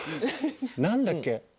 何だっけ？